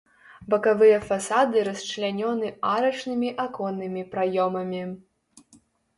Бакавыя фасады расчлянёны арачнымі аконнымі праёмамі.